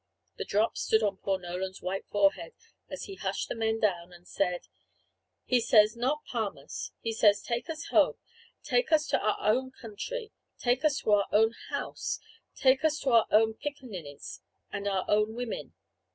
The drops stood on poor Nolan's white forehead, as he hushed the men down, and said: "He says, 'Not Palmas.' He says, 'Take us home, take us to our own country, take us to our own house, take us to our own pickaninnies and our own women.'